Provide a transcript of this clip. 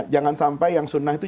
jangan sampai yang sunnah itu